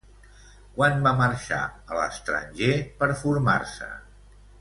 Quan va marxar a l'estranger per formar-se?